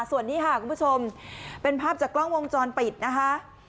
ส่วนนี้ค่ะคุณผู้ชมเป็นภาพจากกล้องวงจรปิดนะคะ